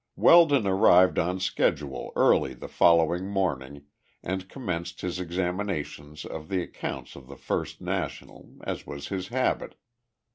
Weldon arrived on schedule early the following morning, and commenced his examination of the accounts of the First National, as was his habit.